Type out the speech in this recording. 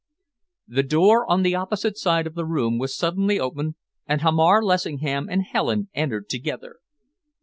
The door on the opposite side of the room was suddenly opened, and Hamar Lessingham and Helen entered together.